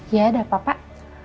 ya ada apa pak